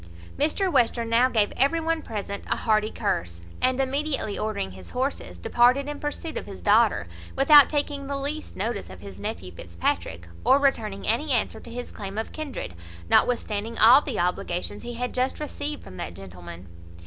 Mr Western now gave every one present a hearty curse, and, immediately ordering his horses, departed in pursuit of his daughter, without taking the least notice of his nephew Fitzpatrick, or returning any answer to his claim of kindred, notwithstanding all the obligations he had just received from that gentleman.